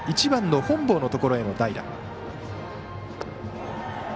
１番の本坊のところへの代打。